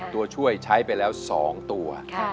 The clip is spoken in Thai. ตัวช่วยใช้ไปแล้ว๒ตัว